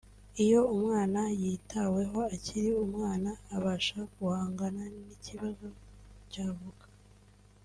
Iyo umwana yitaweho akiri umwana abasha guhangana n’ikibazo cyavuka